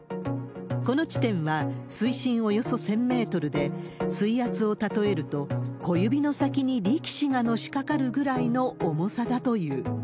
この地点は、水深およそ１０００メートルで、水圧を例えると、小指の先に力士がのしかかるぐらいの重さだという。